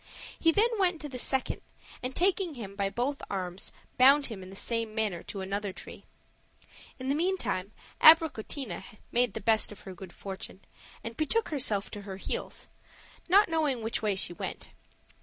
He then went to the second, and taking him by both arms, bound him in the same manner to another tree. In the meantime Abricotina made the best of her good fortune and betook herself to her heels, not knowing which way she went.